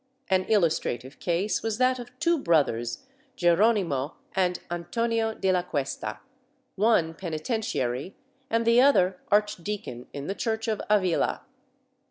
An illus trative case was that of two brothers, Geronimo and Antonio de la Cuesta, one penitentiary and the other archdeacon in the church of Avila.